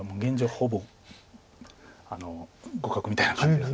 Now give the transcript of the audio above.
ほぼ互角みたいな感じです。